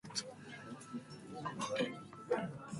The shore was reclaimed for a Shell oil depot.